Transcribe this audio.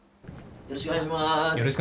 よろしくお願いします。